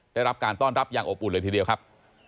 ได้รับการต้อนรับอย่างอบอุ่นเลยทีเดียวครับ